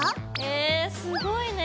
えすごいね。